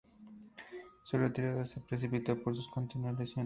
Su retirada se precipitó por sus continuas lesiones.